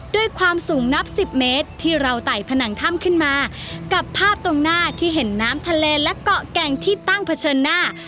ด้วยความสูงนับสิบเมตรที่เราไต่ผนังถ้ำขึ้นมากับภาพตรงหน้าที่เห็นน้ำทะเลและเกาะแก่งที่ตั้งเผชิญหน้า